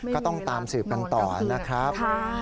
ก็ต้องตามสืบกันต่อนะครับ